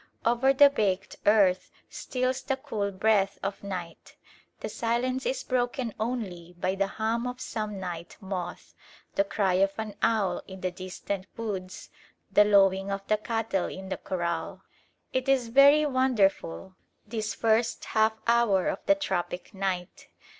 Over the baked earth steals the cool breath of night: the silence is broken only by the hum of some night moth, the cry of an owl in the distant woods, the lowing of the cattle in the corral. It is very wonderful, this first half hour of the tropic night.